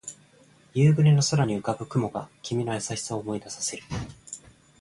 夕暮れの空に浮かぶ雲が君の優しさを思い出させる